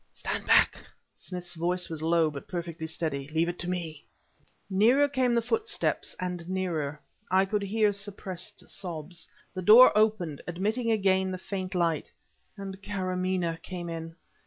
"Stand back!" Smith's voice was low, but perfectly steady. "Leave it to me!" Nearer came the footsteps and nearer. I could hear suppressed sobs. The door opened, admitting again the faint light and Karamaneh came in.